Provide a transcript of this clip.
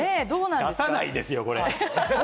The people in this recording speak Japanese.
出さないですよ、これ。